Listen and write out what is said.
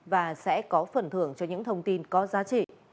và sẽ có phần thưởng cho những thông tin có giá trị